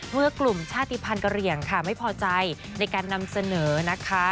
เมื่อกลุ่มชาติภัณฑ์กะเหลี่ยงค่ะไม่พอใจในการนำเสนอนะคะ